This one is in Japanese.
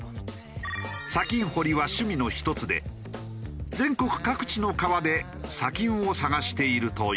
砂金掘りは趣味のひとつで全国各地の川で砂金を探しているという。